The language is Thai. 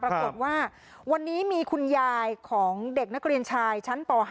ปรากฏว่าวันนี้มีคุณยายของเด็กนักเรียนชายชั้นป๕